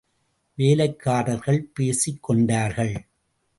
வேலைக்காரர்கள் பேசிக் கொண்டார்கள்.